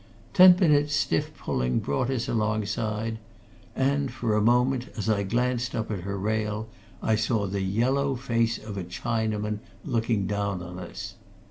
Ten minutes' stiff pulling brought us alongside and for a moment, as I glanced up at her rail, I saw the yellow face of a Chinaman looking down on us.